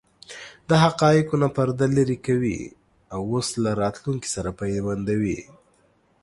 د حقایقو نه پرده لرې کوي او اوس له راتلونکې سره پیوندوي.